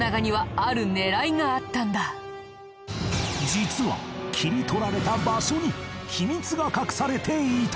実は切り取られた場所に秘密が隠されていた！